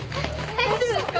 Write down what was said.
大丈夫ですか？